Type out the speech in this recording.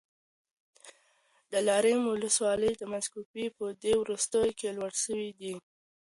د دلارام ولسوالۍ د مځکو بیې په دې وروستیو کي لوړي سوې دي.